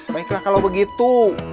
baiklah kalau begitu